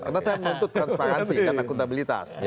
karena saya menuntut transparansi dan akuntabilitas